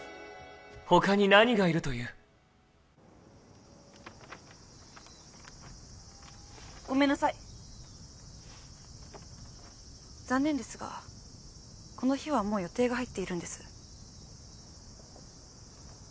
他に何がいるというごめんなさい残念ですがこの日はもう予定が入っているんです